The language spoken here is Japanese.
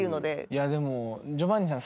いやでもジョバンニさん